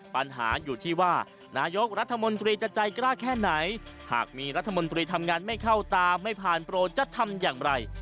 ปัญหาอยู่ที่ว่านายกรัฐมนตรีจะใจกล้าแค่ไหนหากมีรัฐมนตรีทำงานไม่เข้าตามไม่ผ่านโปรจะทำอย่างไร